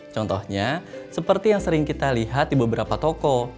contohnya seperti yang sering kita lihat di beberapa toko